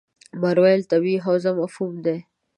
ماورا الطبیعي حوزه مفهوم دی.